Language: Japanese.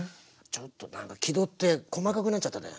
ちょっとなんか気取って細かくなっちゃったね。